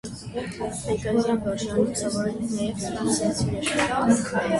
Հայկազյան վարժարանում սովորել են նաև ֆրանսիացիներ։